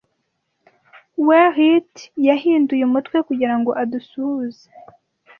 whereat yahinduye umutwe Kugira ngo adusuhuze –